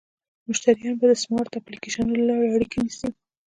مشتریان به د سمارټ اپلیکیشنونو له لارې اړیکه نیسي.